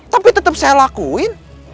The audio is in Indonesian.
tapi tetep saya lakuin